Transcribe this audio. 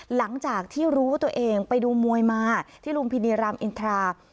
หลังจากที่รู้ว่าตัวเองไปดูมวยมาที่ลุมพินีรามอินทรา